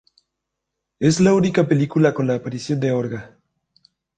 Es la única película con la aparición de Orga.